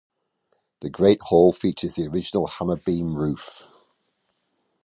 The Great Hall features the original hammer-beam roof.